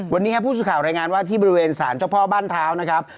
วันนี้ครับผู้สื่อข่าวรายงานว่าที่บริเวณสารเจ้าพ่อบ้านเท้านะครับ